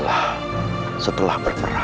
tidak ada yang bisa diberi